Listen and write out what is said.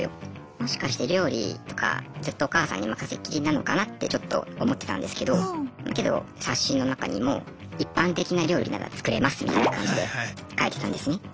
もしかして料理とかずっとお母さんに任せっきりなのかなってちょっと思ってたんですけどけど冊子の中にも一般的な料理なら作れますみたいな感じで書いてたんですね。